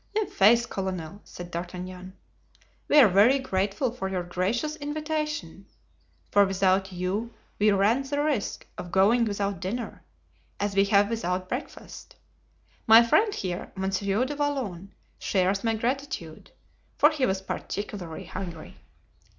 "I'faith, colonel," said D'Artagnan, "we are very grateful for your gracious invitation; for without you we ran the risk of going without dinner, as we have without breakfast. My friend here, Monsieur du Vallon, shares my gratitude, for he was particularly hungry."